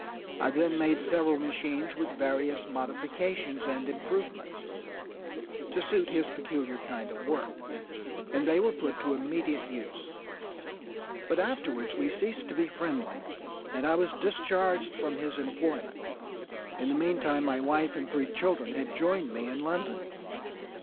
I then made several machines with various modifications and improvements, to suit his peculiar kind of work, and they were put to immediate use; but afterwards we ceased to be friendly, and I was discharged from his employment. In the meantime my wife and three children had joined me in London.